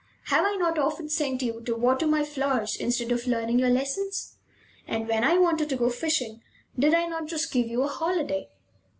Have I not often sent you to water my flowers instead of learning your lessons? And when I wanted to go fishing, did I not just give you a holiday?"